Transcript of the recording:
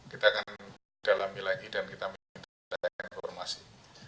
kita akan dalami lagi dan kita minta data informasi